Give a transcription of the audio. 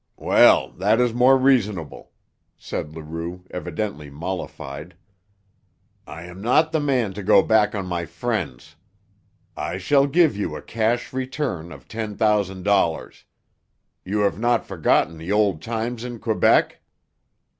"Well, that is more reasonable," said Leroux, evidently mollified. "I am not the man to go back on my friends. I shall give you a cash return of ten thousand dollars. You have not forgotten the old times in Quebec?"